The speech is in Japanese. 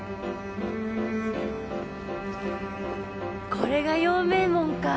これが陽明門かぁ。